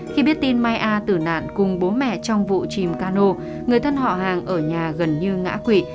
khi biết tin mai a tử nạn cùng bố mẹ trong vụ chìm cano người thân họ hàng ở nhà gần như ngã quỷ